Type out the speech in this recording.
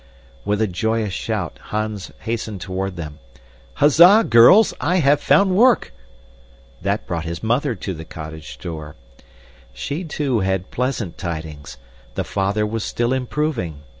With a joyous shout Hans hastened toward them. "Huzza, girls, I've found work!" This brought his mother to the cottage door. She, too, had pleasant tidings. The father was still improving.